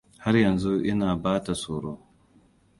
Har yanzu ina ba ta horo.